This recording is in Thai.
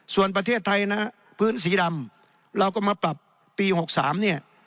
ส่วนประเทศไทยนะพื้นสีดำเราก็มาปรับปี๖๓เนี่ย